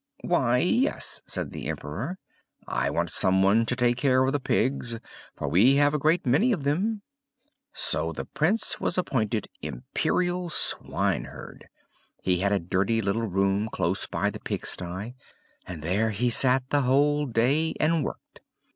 "Why, yes," said the Emperor. "I want some one to take care of the pigs, for we have a great many of them." So the Prince was appointed "Imperial Swineherd." He had a dirty little room close by the pigsty; and there he sat the whole day, and worked.